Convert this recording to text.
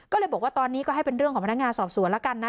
ก็เลยบอกว่าตอนนี้ก็ให้เป็นเรื่องของพนักงานสอบสวนแล้วกันนะ